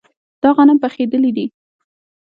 دا غنم پخیدلي دي.